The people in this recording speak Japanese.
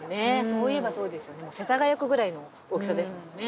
そういえばそうですよね世田谷区ぐらいの大きさですもんね